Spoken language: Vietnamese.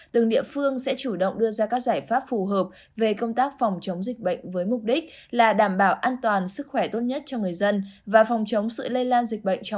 từng địa phương sẽ chủ động đưa ra các giải pháp phù hợp về công tác phòng chống dịch bệnh với mục đích là đảm bảo an toàn sức khỏe tôn trọng